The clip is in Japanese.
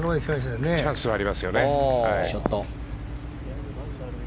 イーグルのチャンスはありますよね。